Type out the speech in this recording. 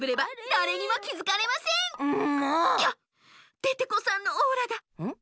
デテコさんのオーラがん？